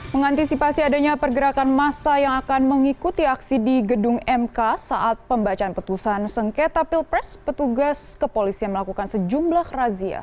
mengantisipasi adanya pergerakan massa yang akan mengikuti aksi di gedung mk saat pembacaan putusan sengketa pilpres petugas kepolisian melakukan sejumlah razia